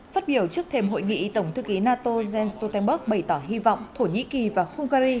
phát biểu trước thêm hội nghị tổng thư ký nato jens stoltenberg bày tỏ hy vọng thổ nhĩ kỳ và hungary